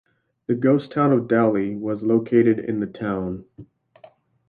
The ghost town of Delhi was located in the town.